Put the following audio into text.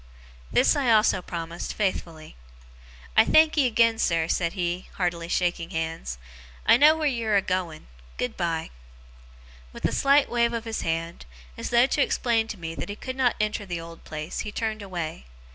This I also promised, faithfully. 'I thankee agen, sir,' he said, heartily shaking hands. 'I know wheer you're a going. Good bye!' With a slight wave of his hand, as though to explain to me that he could not enter the old place, he turned away.